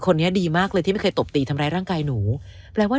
คนนี้ดีมากเลยที่ไม่เคยตบตีทำร้ายร่างกายหนูแปลว่า